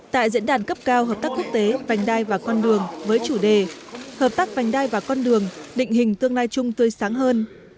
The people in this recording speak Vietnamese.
tại diễn đàn cấp cao hợp tác quốc tế vành đai và con đường với chủ đề hợp tác vành đai và con đường định hình tương lai chung tươi sáng hơn